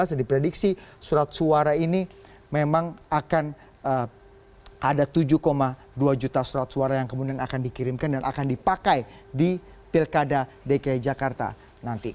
dan diprediksi surat suara ini memang akan ada tujuh dua juta surat suara yang kemudian akan dikirimkan dan akan dipakai di pilkada dki jakarta nanti